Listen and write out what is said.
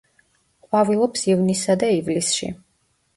ყვავილობს ივნისსა და ივლისში.